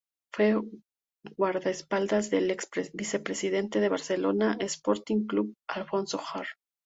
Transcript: Fue guardaespaldas del ex vicepresidente del Barcelona Sporting Club, Alfonso Harb.